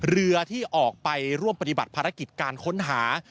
เรือที่ออกไปร่วมปฏิบัติภารกิจการค้นหา